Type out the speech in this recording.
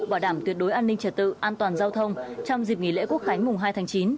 bảo đảm tuyệt đối an ninh trật tự an toàn giao thông trong dịp nghỉ lễ quốc khánh mùng hai tháng chín